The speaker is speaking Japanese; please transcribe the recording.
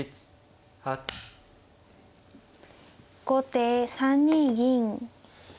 後手３二銀。